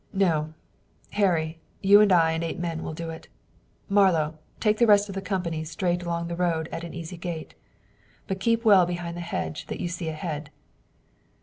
"No; Harry, you and I and eight men will do it. Marlowe, take the rest of the company straight along the road at an easy gait. But keep well behind the hedge that you see ahead."